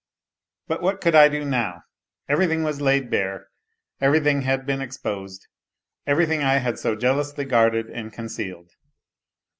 But what could I do now ? Everything was laid bare, everything had been exposed, everything I had so jealously guarded and concealed